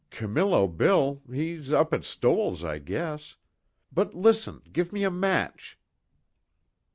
"Camillo Bill he's up to Stoell's, I guess. But listen, give me a match."